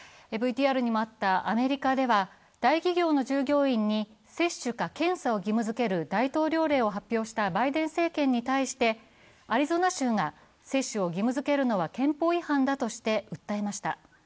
アメリカでは、大企業の従業員に接種か検査を義務づける大統領令を発表したバイデン政権に対してアリゾナ州が接種を義務付けるのは憲法違反だとして訴えました。